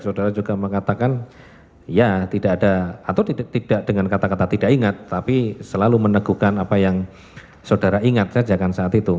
saudara juga mengatakan ya tidak ada atau tidak dengan kata kata tidak ingat tapi selalu meneguhkan apa yang saudara ingat saja kan saat itu